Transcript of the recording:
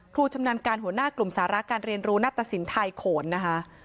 ชำนาญการหัวหน้ากลุ่มสาระการเรียนรู้นัตตสินไทยโขนนะคะ